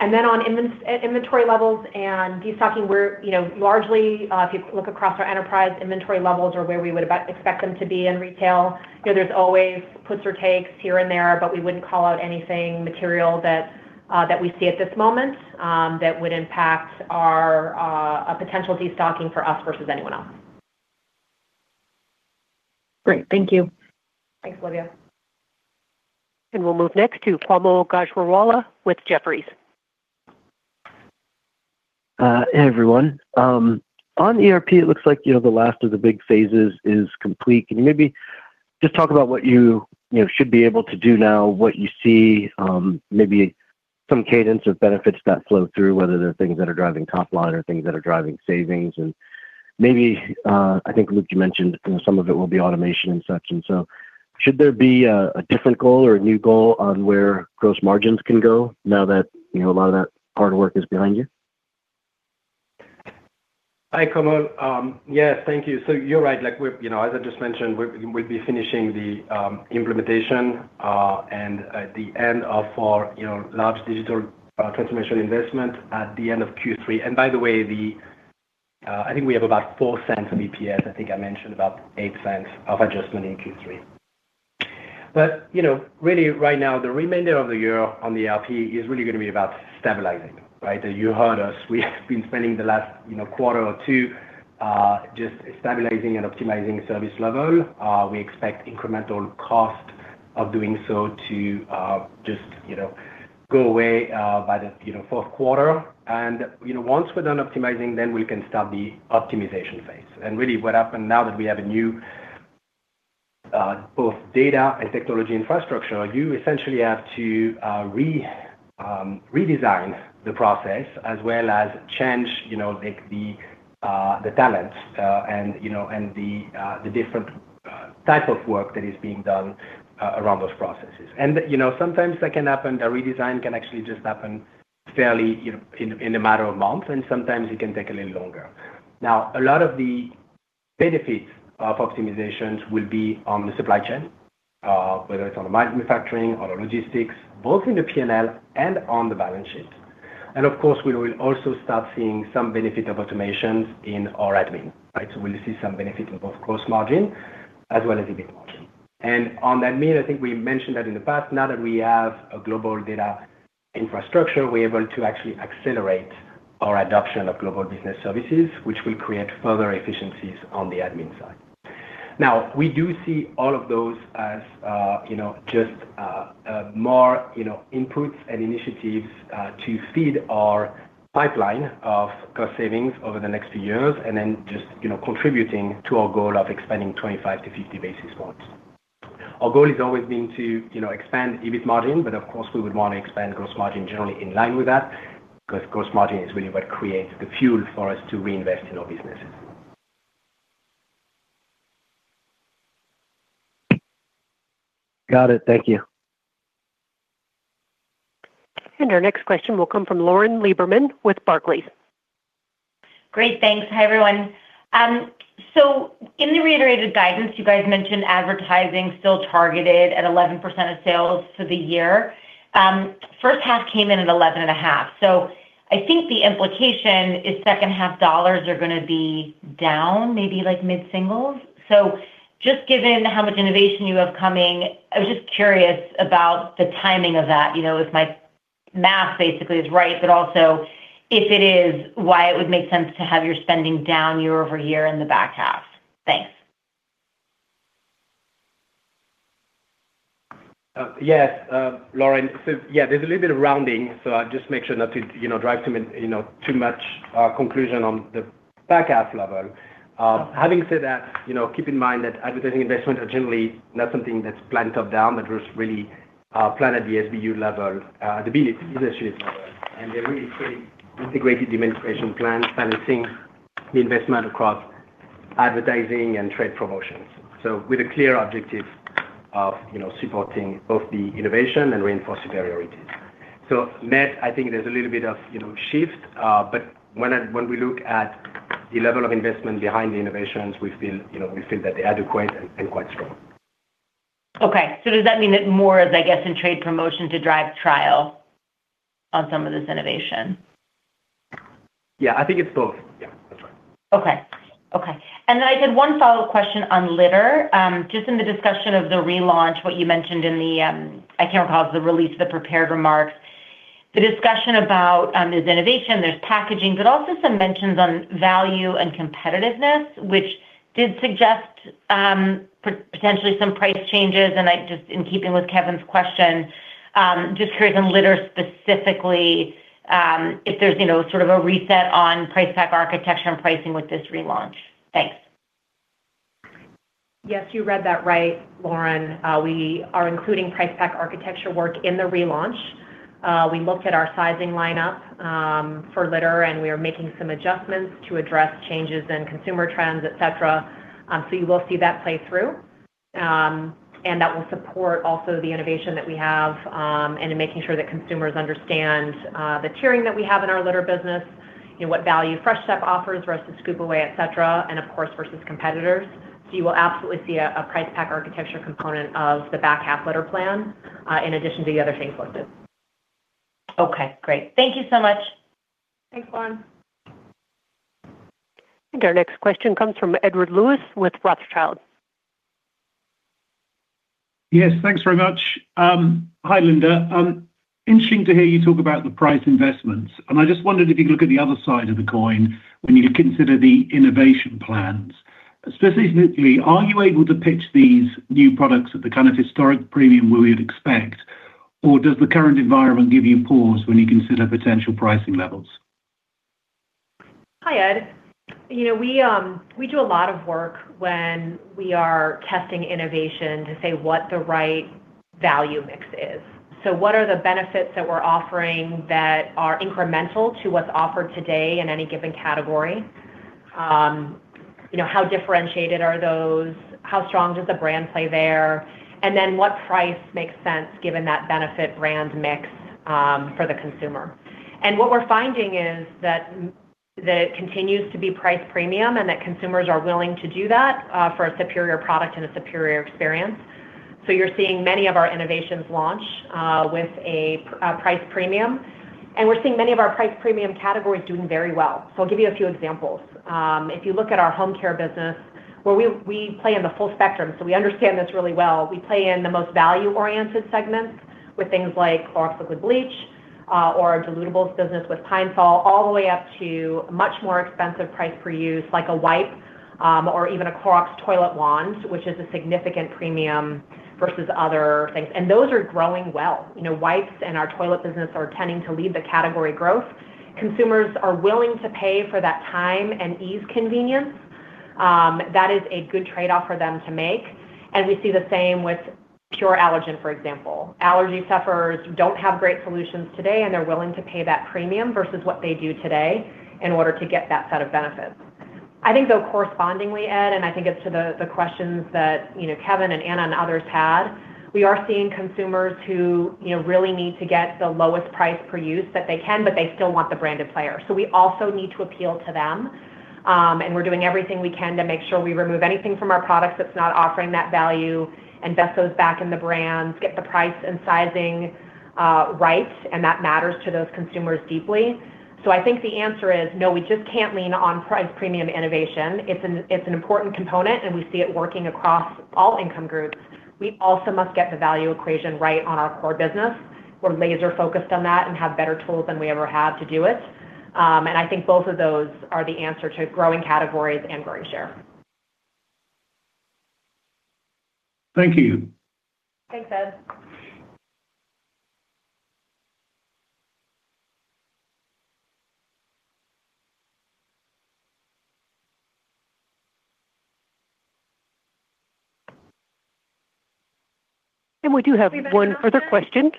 And then on inventory levels and destocking, we're, you know, largely, if you look across our enterprise, inventory levels are where we would expect them to be in retail. You know, there's always puts or takes here and there, but we wouldn't call out anything material that, that we see at this moment, that would impact our, a potential destocking for us versus anyone else. Great. Thank you. Thanks, Olivia. We'll move next to Kaumil Gajrawala with Jefferies. Hey, everyone. On ERP, it looks like, you know, the last of the big phases is complete. Can you maybe just talk about what you, you know, should be able to do now, what you see, maybe some cadence of benefits that flow through, whether they're things that are driving top line or things that are driving savings? And maybe, I think, Luc, you mentioned, you know, some of it will be automation and such and so.... Should there be a different goal or a new goal on where gross margins can go now that, you know, a lot of that hard work is behind you? Hi, Kamal. Yeah, thank you. So you're right. Like, we've, you know, as I just mentioned, we'll be finishing the implementation and at the end of our, you know, large digital transformation investment at the end of Q3. And by the way, I think we have about $0.04 of EPS. I think I mentioned about $0.08 of adjustment in Q3. But, you know, really, right now, the remainder of the year on the ERP is really gonna be about stabilizing, right? You heard us, we have been spending the last, you know, quarter or two just stabilizing and optimizing service level. We expect incremental cost of doing so to just, you know, go away by the, you know, fourth quarter. And, you know, once we're done optimizing, then we can start the optimization phase. Really, what happened now that we have a new both data and technology infrastructure, you essentially have to redesign the process as well as change, you know, like the talents, and, you know, and the different type of work that is being done around those processes. You know, sometimes that can happen, the redesign can actually just happen fairly, you know, in a matter of months, and sometimes it can take a little longer. Now, a lot of the benefits of optimizations will be on the supply chain, whether it's on manufacturing or logistics, both in the P&L and on the balance sheet. And of course, we will also start seeing some benefit of automations in our admin, right? So we'll see some benefit in both gross margin as well as EBIT margin. On admin, I think we mentioned that in the past, now that we have a global data infrastructure, we're able to actually accelerate our adoption of global business services, which will create further efficiencies on the admin side. Now, we do see all of those as, you know, just, more, you know, inputs and initiatives, to feed our pipeline of cost savings over the next few years, and then just, you know, contributing to our goal of expanding 25-50 basis points. Our goal has always been to, you know, expand EBIT margin, but of course, we would want to expand gross margin generally in line with that, because gross margin is really what creates the fuel for us to reinvest in our businesses. Got it. Thank you. Our next question will come from Lauren Lieberman with Barclays. Great. Thanks. Hi, everyone. So in the reiterated guidance, you guys mentioned advertising still targeted at 11% of sales for the year. First half came in at 11.5. So I think the implication is second half dollars are gonna be down, maybe like mid-singles. So just given how much innovation you have coming, I was just curious about the timing of that, you know, if my math basically is right, but also if it is, why it would make sense to have your spending down year over year in the back half. Thanks. Yes, Lauren. So yeah, there's a little bit of rounding, so I'll just make sure not to, you know, drive too, you know, too much conclusion on the back half level. Having said that, you know, keep in mind that advertising investments are generally not something that's planned top-down, but just really planned at the SBU level, the business unit level. And they're really pretty integrated demonstration plan, balancing the investment across advertising and trade promotions. So with a clear objective of, you know, supporting both the innovation and reinforcing priorities. So net, I think there's a little bit of, you know, shift, but when we look at the level of investment behind the innovations, we feel, you know, we feel that they're adequate and, and quite strong. Okay. So does that mean that more is, I guess, in trade promotion to drive trial on some of this innovation? Yeah, I think it's both. Yeah, that's right. Okay. Okay. And then I did one follow-up question on litter. Just in the discussion of the relaunch, what you mentioned in the, I can't recall, it was the release of the prepared remarks. The discussion about, there's innovation, there's packaging, but also some mentions on value and competitiveness, which did suggest, potentially some price changes. And I just, in keeping with Kevin's question, just curious on litter specifically, if there's, you know, sort of a reset on price pack architecture and pricing with this relaunch. Thanks. Yes, you read that right, Lauren. We are including price pack architecture work in the relaunch. We looked at our sizing lineup for litter, and we are making some adjustments to address changes in consumer trends, et cetera. So you will see that play through. And that will support also the innovation that we have, and in making sure that consumers understand the tiering that we have in our litter business, you know, what value Fresh Step offers versus Scoop Away, et cetera, and of course, versus competitors. So you will absolutely see a price pack architecture component of the back half litter plan, in addition to the other things listed. Okay, great. Thank you so much. Thanks, Lauren. I think our next question comes from Edward Lewis with Rothschild. Yes, thanks very much. Hi, Linda. Interesting to hear you talk about the price investments, and I just wondered if you could look at the other side of the coin when you consider the innovation plans. Specifically, are you able to pitch these new products at the kind of historic premium we would expect, or does the current environment give you pause when you consider potential pricing levels? Hi, Ed. You know, we do a lot of work when we are testing innovation to say what the right value mix is. So what are the benefits that we're offering that are incremental to what's offered today in any given category? You know, how differentiated are those? How strong does the brand play there? And then what price makes sense given that benefit brand mix for the consumer? And what we're finding is that that it continues to be price premium and that consumers are willing to do that for a superior product and a superior experience. So you're seeing many of our innovations launch with a price premium, and we're seeing many of our price premium categories doing very well. So I'll give you a few examples. If you look at our home care business, where we play in the full spectrum, so we understand this really well. We play in the most value-oriented segments with things like Clorox liquid bleach, or our dilutables business with Pine-Sol, all the way up to much more expensive price per use, like a wipe, or even a Clorox ToiletWand, which is a significant premium versus other things. Those are growing well. You know, wipes and our toilet business are tending to lead the category growth. Consumers are willing to pay for that time and ease, convenience. That is a good trade-off for them to make, and we see the same with Pure Allergen, for example. Allergy sufferers don't have great solutions today, and they're willing to pay that premium versus what they do today in order to get that set of benefits. I think, though, correspondingly, Ed, and I think it's to the questions that, you know, Kevin and Anna and others had, we are seeing consumers who, you know, really need to get the lowest price per use that they can, but they still want the branded player. So we also need to appeal to them, and we're doing everything we can to make sure we remove anything from our products that's not offering that value, invest those back in the brands, get the price and sizing right, and that matters to those consumers deeply. So I think the answer is, no, we just can't lean on price premium innovation. It's an important component, and we see it working across all income groups. We also must get the value equation right on our core business. We're laser-focused on that and have better tools than we ever have to do it. I think both of those are the answer to growing categories and growing share. Thank you. Thanks, Ed. We do have one further question.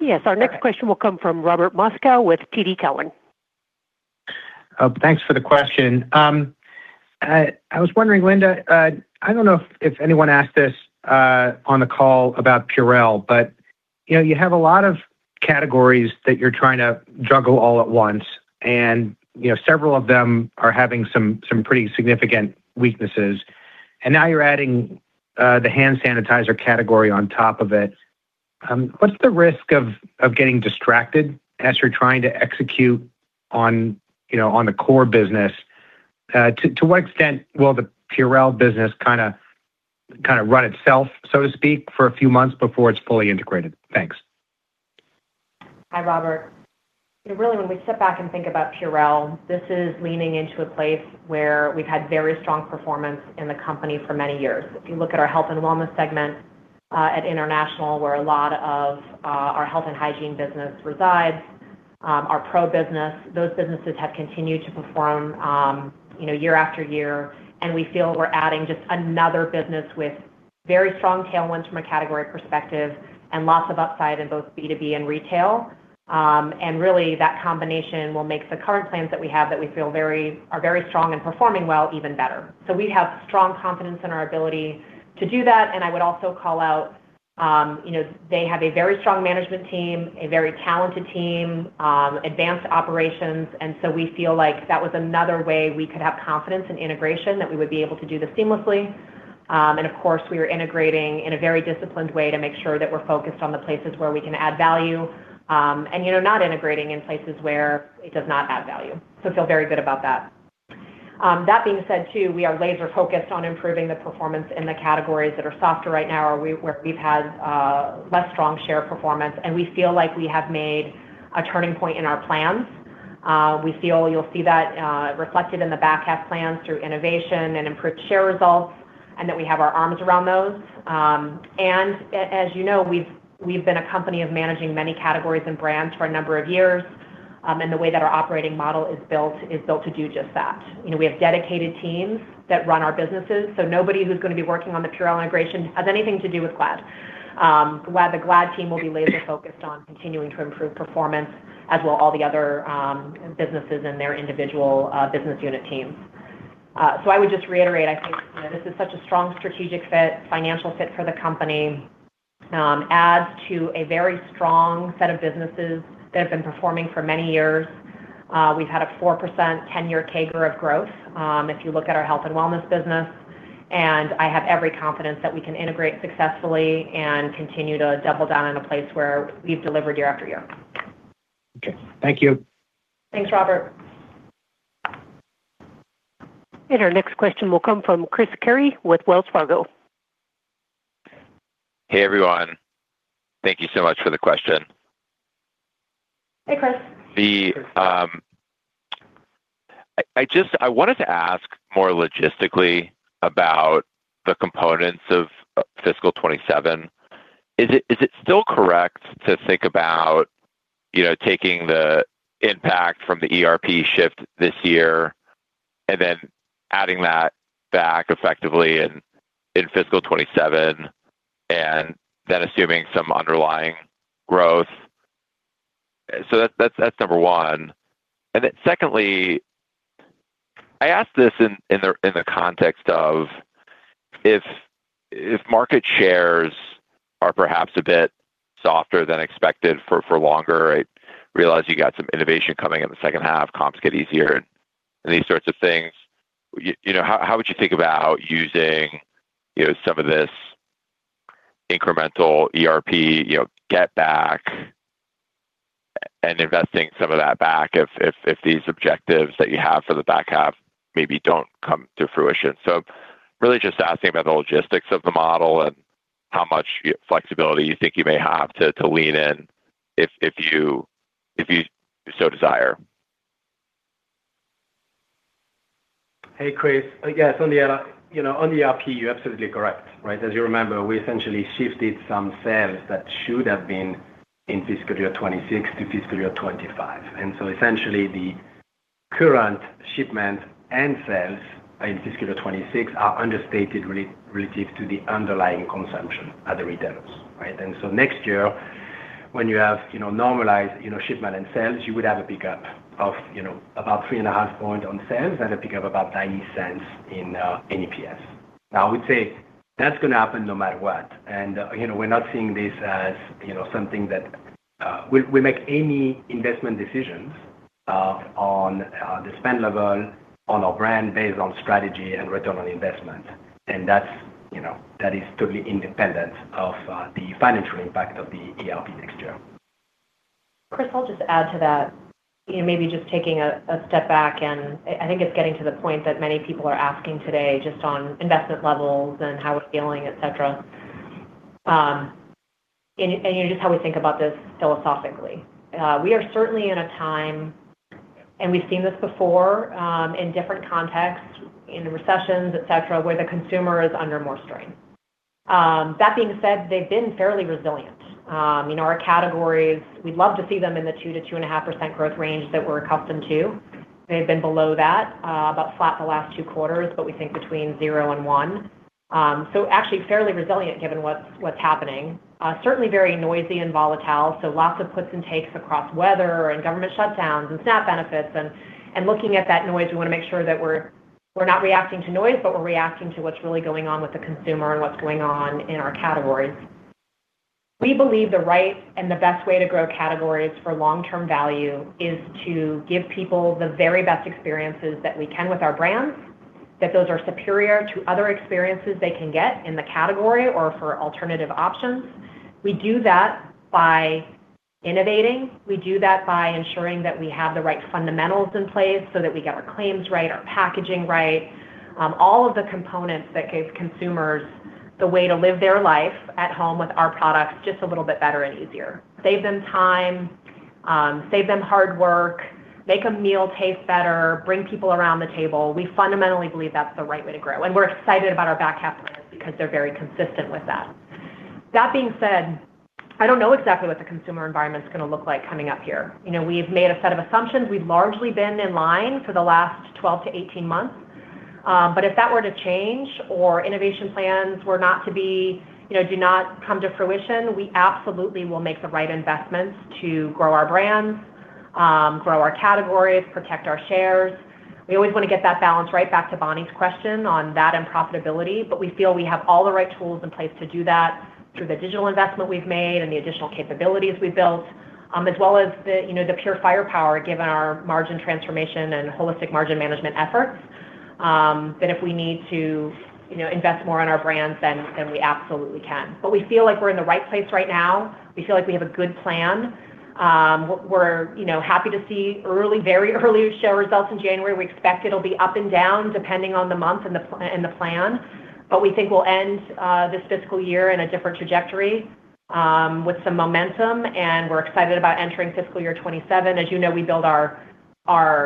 Yes, our next question will come from Robert Moskow with TD Cowen. Thanks for the question. I was wondering, Linda, I don't know if anyone asked this on the call about Purell, but you know, you have a lot of categories that you're trying to juggle all at once, and you know, several of them are having some pretty significant weaknesses, and now you're adding the hand sanitizer category on top of it. What's the risk of getting distracted as you're trying to execute on, you know, on the core business? To what extent will the Purell business kinda run itself, so to speak, for a few months before it's fully integrated? Thanks. Hi, Robert. Really, when we sit back and think about Purell, this is leaning into a place where we've had very strong performance in the company for many years. If you look at our Health and Wellness segment, at International, where a lot of our health and hygiene business resides, our pro business, those businesses have continued to perform, you know, year after year, and we feel we're adding just another business with very strong tailwinds from a category perspective and lots of upside in both B2B and retail. And really, that combination will make the current plans that we have, that we feel are very strong and performing well, even better. So we have strong confidence in our ability to do that, and I would also call out, you know, they have a very strong management team, a very talented team, advanced operations, and so we feel like that was another way we could have confidence in integration, that we would be able to do this seamlessly. Of course, we are integrating in a very disciplined way to make sure that we're focused on the places where we can add value, and, you know, not integrating in places where it does not add value. So I feel very good about that. That being said, too, we are laser-focused on improving the performance in the categories that are softer right now or where we've had less strong share performance, and we feel like we have made a turning point in our plans. We feel you'll see that reflected in the back half plans through innovation and improved share results, and that we have our arms around those. And as you know, we've been a company of managing many categories and brands for a number of years, and the way that our operating model is built is built to do just that. You know, we have dedicated teams that run our businesses, so nobody who's gonna be working on the Purell integration has anything to do with Glad. Glad, the Glad team will be laser-focused on continuing to improve performance, as will all the other businesses and their individual business unit teams. I would just reiterate, I think, you know, this is such a strong strategic fit, financial fit for the company, adds to a very strong set of businesses that have been performing for many years. We've had a 4% to 10-year CAGR of growth, if you look at our Health and Wellness business, and I have every confidence that we can integrate successfully and continue to double down in a place where we've delivered year after year. Okay. Thank you. Thanks, Robert. Our next question will come from Chris Carey with Wells Fargo. Hey, everyone. Thank you so much for the question. Hey, Chris. I wanted to ask more logistically about the components of fiscal 27. Is it still correct to think about, you know, taking the impact from the ERP shift this year and then adding that back effectively in fiscal 27, and then assuming some underlying growth? So that's number one. And then secondly, I ask this in the context of if market shares are perhaps a bit softer than expected for longer. I realize you got some innovation coming in the second half, comps get easier and these sorts of things. You know, how would you think about using some of this incremental ERP get back and investing some of that back if these objectives that you have for the back half maybe don't come to fruition? Really just asking about the logistics of the model and how much flexibility you think you may have to lean in if you so desire. Hey, Chris. Again, on the other - you know, on the ERP, you're absolutely correct, right? As you remember, we essentially shifted some sales that should have been in fiscal year 2026 to fiscal year 2025. And so essentially, the current shipment and sales in fiscal year 2026 are understated relative to the underlying consumption at the retailers, right? And so next year, when you have, you know, normalized, you know, shipment and sales, you would have a pickup of, you know, about 3.5 point on sales and a pickup of about $0.90 in EPS. Now, I would say that's gonna happen no matter what, and, you know, we're not seeing this as, you know, something that... We make any investment decisions on the spend level, on our brand, based on strategy and return on investment. That's, you know, that is totally independent of the financial impact of the ERP next year. Chris, I'll just add to that. You know, maybe just taking a step back, and I think it's getting to the point that many people are asking today just on investment levels and how we're feeling, et cetera, and just how we think about this philosophically. We are certainly in a time, and we've seen this before, in different contexts, in recessions, et cetera, where the consumer is under more strain. That being said, they've been fairly resilient. You know, our categories, we'd love to see them in the 2%-2.5% growth range that we're accustomed to. They've been below that, about flat the last two quarters, but we think between 0 and 1. So actually fairly resilient, given what's happening. Certainly very noisy and volatile, so lots of puts and takes across weather and government shutdowns and SNAP benefits. And looking at that noise, we wanna make sure that we're not reacting to noise, but we're reacting to what's really going on with the consumer and what's going on in our categories. We believe the right and the best way to grow categories for long-term value is to give people the very best experiences that we can with our brands, that those are superior to other experiences they can get in the category or for alternative options. We do that by innovating. We do that by ensuring that we have the right fundamentals in place so that we get our claims right, our packaging right, all of the components that give consumers the way to live their life at home with our products just a little bit better and easier. Save them time, save them hard work, make a meal taste better, bring people around the table. We fundamentally believe that's the right way to grow, and we're excited about our back half plans because they're very consistent with that. That being said, I don't know exactly what the consumer environment is gonna look like coming up here. You know, we've made a set of assumptions. We've largely been in line for the last 12-18 months. But if that were to change or innovation plans were not to be, you know, do not come to fruition, we absolutely will make the right investments to grow our brands, grow our categories, protect our shares. We always wanna get that balance right back to Bonnie's question on that and profitability, but we feel we have all the right tools in place to do that through the digital investment we've made and the additional capabilities we've built, as well as the, you know, the pure firepower, given our margin transformation and holistic margin management efforts, that if we need to, you know, invest more in our brands, then, then we absolutely can. But we feel like we're in the right place right now. We feel like we have a good plan. We're, you know, happy to see early, very early show results in January. We expect it'll be up and down, depending on the month and the plan, but we think we'll end this fiscal year in a different trajectory with some momentum, and we're excited about entering fiscal year 2027. As you know, we build our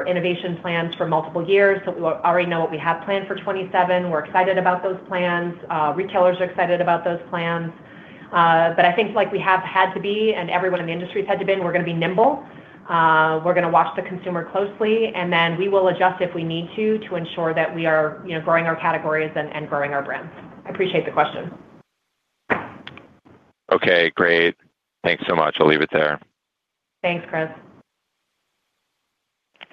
innovation plans for multiple years, so we already know what we have planned for 2027. We're excited about those plans. Retailers are excited about those plans. But I think like we have had to be and everyone in the industry has had to been, we're gonna be nimble. We're gonna watch the consumer closely, and then we will adjust if we need to, to ensure that we are, you know, growing our categories and growing our brands. I appreciate the question. Okay, great. Thanks so much. I'll leave it there. Thanks, Chris.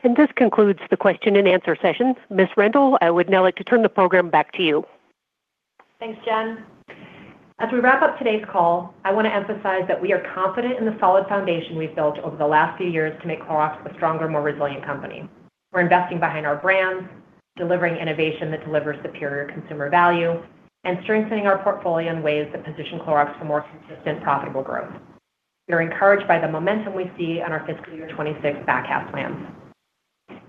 This concludes the question and answer session. Ms. Rendle, I would now like to turn the program back to you. Thanks, Jen. As we wrap up today's call, I wanna emphasize that we are confident in the solid foundation we've built over the last few years to make Clorox a stronger, more resilient company. We're investing behind our brands, delivering innovation that delivers superior consumer value, and strengthening our portfolio in ways that position Clorox for more consistent, profitable growth. We are encouraged by the momentum we see on our fiscal year 2026 back half plans.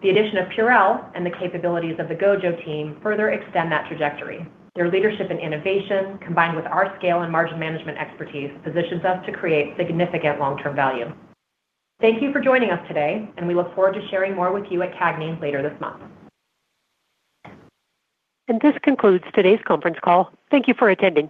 The addition of Purell and the capabilities of the GOJO team further extend that trajectory. Their leadership and innovation, combined with our scale and margin management expertise, positions us to create significant long-term value. Thank you for joining us today, and we look forward to sharing more with you at CAGNY later this month. This concludes today's conference call. Thank you for attending.